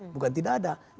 bukan tidak ada